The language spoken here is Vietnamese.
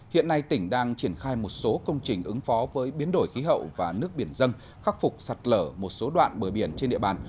hiện nay tỉnh đang triển khai một số công trình ứng phó với biến đổi khí hậu và nước biển dân khắc phục sạt lở một số đoạn bờ biển trên địa bàn